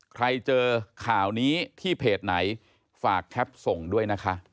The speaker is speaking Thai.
ใครเจอข่าวนี้ที่เพจไหนฝากแคปส่งด้วยนะคะ